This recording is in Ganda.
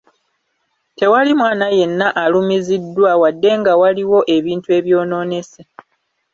Tewali mwana yenna alumiziddwa wadde nga waliwo ebintu ebyonoonese.